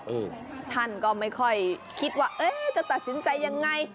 ท่านก็ไม่ค่อยคิดว่าเอ๊ะจะตัดสินใจยังไง